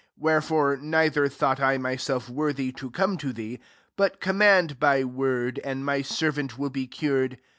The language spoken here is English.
7 Wherefore neither thought I myself worthy to come to thee: but command by word, and my servant will be cured.